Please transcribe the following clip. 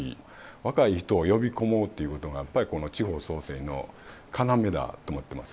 若い人を呼び込もうということが、やっぱりこの地方創生の要だと思ってます。